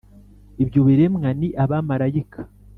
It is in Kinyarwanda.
ibyo biremwa ni abamarayika,